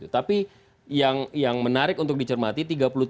tapi yang menarik untuk dicermati